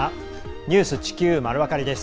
「ニュース地球まるわかり」です。